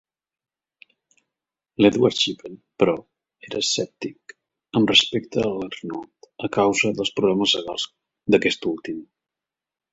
L'Edward Shippen, però, era escèptic amb respecte a l'Arnold a causa dels problemes legals d'aquest últim.